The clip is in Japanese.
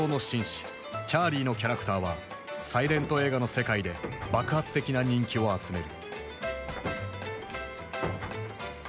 チャーリーのキャラクターはサイレント映画の世界で爆発的な人気を集める。